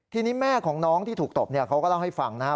ทีนี้แม่ของน้องที่ถูกตบเขาก็เล่าให้ฟังนะครับ